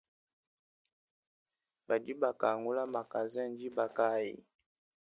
Badi bakangula magazen diba kayi ?